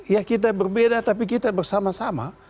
ya kita berbeda tapi kita bersama sama